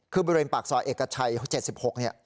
คือบริเวณปากซอยเอกชัย๗๖เนี่ย